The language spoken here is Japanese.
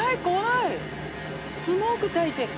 スモークたいて。